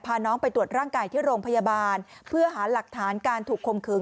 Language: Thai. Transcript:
น้องไปตรวจร่างกายที่โรงพยาบาลเพื่อหาหลักฐานการถูกคมคืน